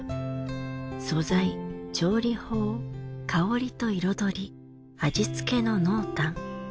素材調理法香りと彩り味付けの濃淡。